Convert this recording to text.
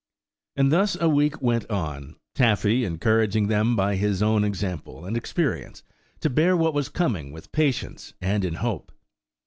And thus a week went on, Taffy encouraging them by his own example and experience, to bear what was coming with patience and in hope.